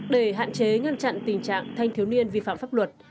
để hạn chế ngăn chặn tình trạng thanh thiếu niên vi phạm pháp luật